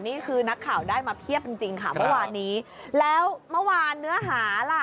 นี่คือนักข่าวได้มาเพียบจริงจริงค่ะเมื่อวานนี้แล้วเมื่อวานเนื้อหาล่ะ